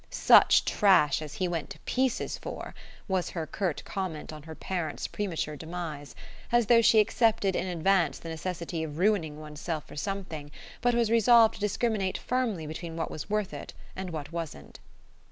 "Such trash as he went to pieces for," was her curt comment on her parent's premature demise: as though she accepted in advance the necessity of ruining one's self for something, but was resolved to discriminate firmly between what was worth it and what wasn't.